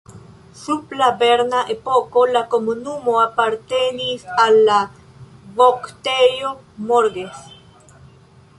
Sub la berna epoko la komunumo apartenis al la Voktejo Morges.